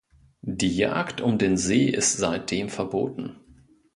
Die Jagd um den See ist seitdem verboten.